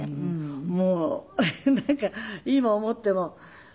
もうなんか今思っても。